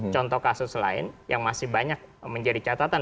contoh kasus lain yang masih banyak menjadi catatan